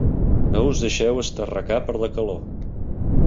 No us deixeu esterrecar per la calor.